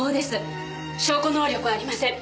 証拠能力はありません。